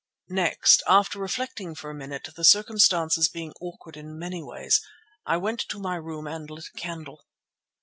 Next, after reflecting for a minute, the circumstances being awkward in many ways, I went to my room and lit a candle.